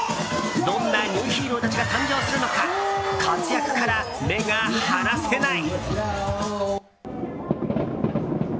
どんなニューヒーローたちが誕生するのか活躍から目が離せない。